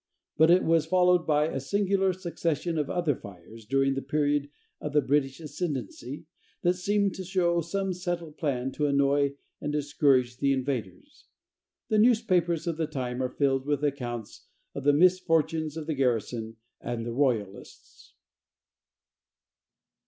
But it was followed by a singular succession of other fires, during the period of the British ascendency, that seem to show some settled plan to annoy and discourage the invaders. The newspapers of the time are filled with accounts of the misfortunes of the garrison and the royalists.